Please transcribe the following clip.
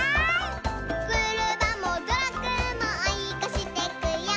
「クルマもトラックもおいこしてくよ」